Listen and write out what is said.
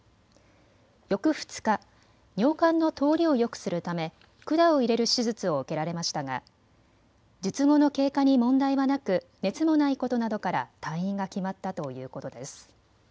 翌２日、尿管の通りをよくするため管を入れる手術を受けられましたが術後の経過に問題はなく熱もないことなどから退院が決まったということです。